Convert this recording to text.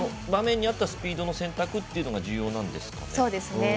場面に合ったスピードの選択というのが重要なんですか。